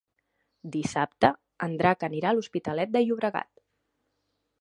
Dissabte en Drac anirà a l'Hospitalet de Llobregat.